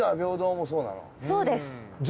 そうです。